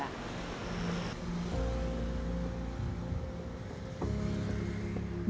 banjarbinoh kaja ubung denpasar utara